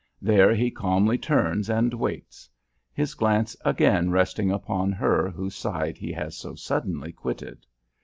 There he calmly turns and waits; his glance again resting upon her whose side he has so suddenly quitted.